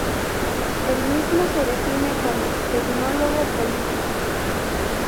El mismo se define como "tecnólogo político".